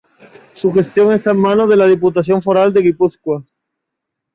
Su gestión está en manos de la Diputación Foral de Guipúzcoa.